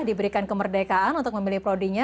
diberikan kemerdekaan untuk memilih prodi nya